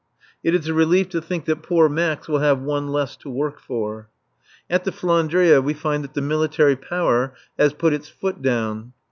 It is a relief to think that poor Max will have one less to work for. At the "Flandria" we find that the Military Power has put its foot down.